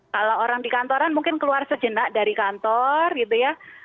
kalau orang di kantoran mungkin keluar sejenak dari kantor gitu ya